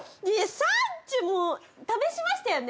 ◆サンチュも試しましたよね。